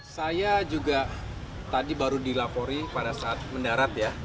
saya juga tadi baru dilapori pada saat mendarat ya